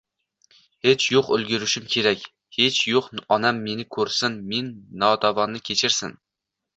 Hech yoʻq ulgurishim kerak, hech yoʻq onam meni koʻrsin, men notavonni kechirsin”.